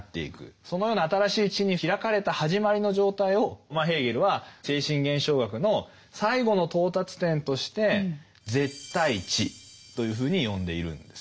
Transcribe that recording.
そのような「新しい知に開かれた始まりの状態」をヘーゲルは「精神現象学」の最後の到達点として「絶対知」というふうに呼んでいるんです。